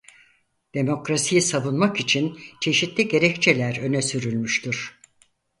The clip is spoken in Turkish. Demokrasiyi savunmak için çeşitli gerekçeler öne sürülmüştür.